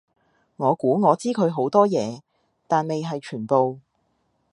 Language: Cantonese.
我估我知佢好多嘢，但未係全部